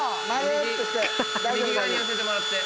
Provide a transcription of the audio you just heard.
右右側に寄せてもらって。